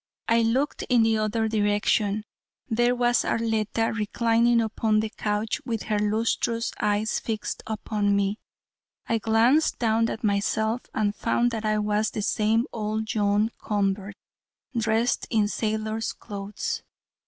I looked in the other direction. There was Arletta reclining upon the couch with her lustrous eyes fixed upon me. I glanced down at myself and found that I was the same old John Convert dressed in sailor's clothes.